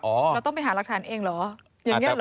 เราต้องไปหารักฐานเองเหรออย่างนี้เหรอ